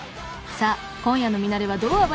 さあ今夜のミナレはどう暴れる？